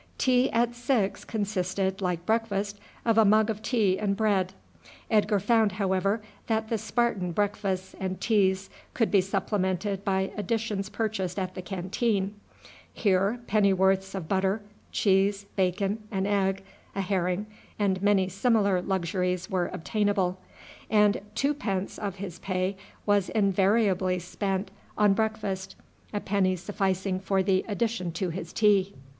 Tea at six consisted, like breakfast, of a mug of tea and bread. Edgar found, however, that the Spartan breakfasts and teas could be supplemented by additions purchased at the canteen. Here pennyworths of butter, cheese, bacon, an egg, a herring, and many similar luxuries were obtainable, and two pence of his pay was invariably spent on breakfast, a penny sufficing for the addition to his tea.